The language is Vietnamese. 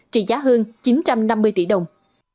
trị giá hơn chín trăm năm mươi tỷ đồng